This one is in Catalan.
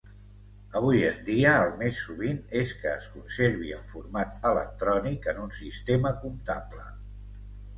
Avui en dia, el més sovint és que es conservi en format electrònic en un sistema comptable.